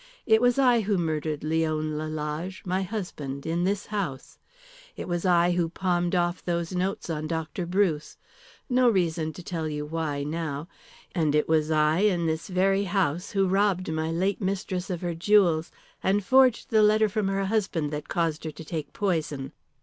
It was I who murdered Leon Lalage, my husband, in this house; it was I who palmed those notes off on Dr. Bruce. No reason to tell you why now. And it was I in this very house who robbed my late mistress of her jewels and forged the letter from her husband that caused her to take poison.